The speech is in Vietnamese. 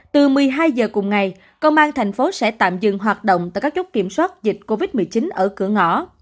từ một mươi hai giờ cùng ngày công an thành phố sẽ tạm dừng hoạt động tại các chốt kiểm soát dịch covid một mươi chín ở cửa ngõ